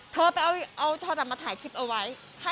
เธอไปเอาตะก้ามาถ่ายคลิปเอาไว้